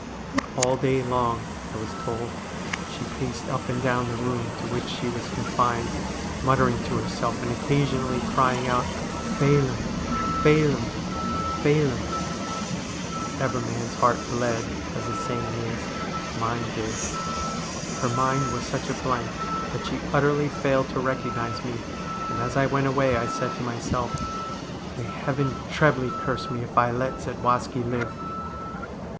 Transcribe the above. All day long, I was told, she paced up and down the room to which she was confined, muttering to herself, and occasionally crying out ' Phelim, Phelim, Phelim.' If ever man's heart bled, as the saying is, mine did. Her mind was such a blank that she utterly failed to recognise me, and as I went away I said to myself, ' May Heaven trebly curse me if I let Zadwaski live